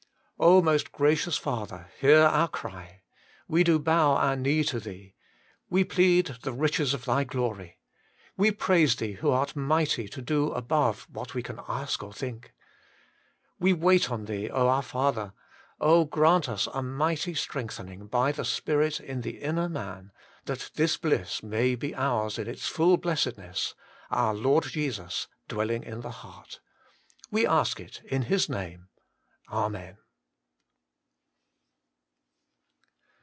Most Gracious Father ! hear our cry. We do bow our knee to Thee. We plead the riches of Thy glory. We praise Thee who art mighty to do above what we can ask or think. We wait on Thee, our Father: oh, grant us a mighty strengthening by the Spirit in the inner man, that this bliss may be ours in its full blessedness, our Lord Jesus dwelling in the heart. We ask it in His Name. Amen.